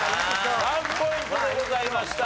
３ポイントでございました。